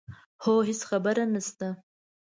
هو هېڅ خبره نه شته.